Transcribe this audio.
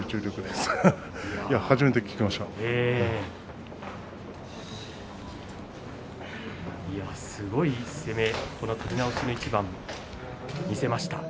すごい攻めを取り直しの一番に見せました。